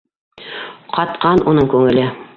Ҡатҡан уның күңеле.